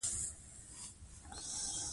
د مارکېټ او رسنیو ژبه باید پښتو وي.